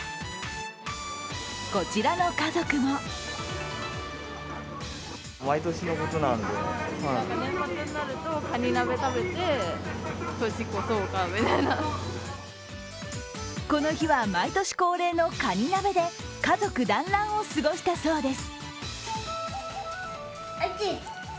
こちらの家族もこの日は毎年恒例のかに鍋で、家族団らんを過ごしたそうです。